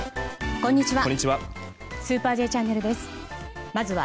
こんにちは。